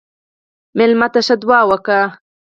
مېلمه ته ښه دعا وکړه.